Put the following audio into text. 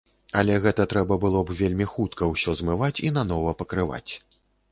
Але гэта трэба было б вельмі хутка ўсё змываць і нанова пакрываць.